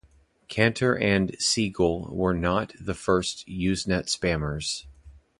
Canter and Siegel were not the first Usenet spammers.